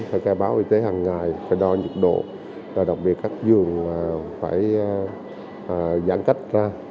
phải khai báo y tế hằng ngày phải đo nhiệt độ và đặc biệt các giường phải giãn cách ra